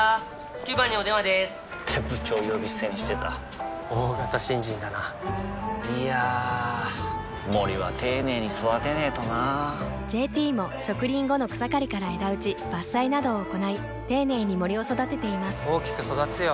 ９番にお電話でーす！って部長呼び捨てにしてた大型新人だないやー森は丁寧に育てないとな「ＪＴ」も植林後の草刈りから枝打ち伐採などを行い丁寧に森を育てています大きく育つよ